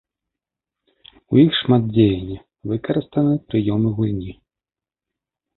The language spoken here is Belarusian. У іх шмат дзеяння, выкарыстаны прыёмы гульні.